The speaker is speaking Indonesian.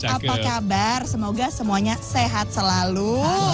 apa kabar semoga semuanya sehat selalu